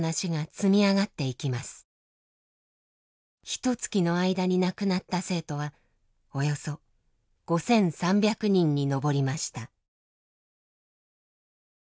ひとつきの間に亡くなった生徒はおよそ５，３００人に上りました。